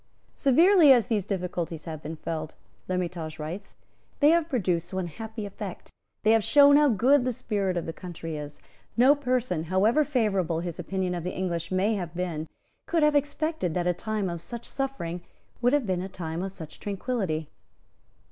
"Severely as these difficulties have been felt," L'Hermitage writes, "they have produced one happy effect; they have shown how good the spirit of the country is. No person, however favourable his opinion of the English may have been, could have expected that a time of such suffering would have been a time of such tranquillity."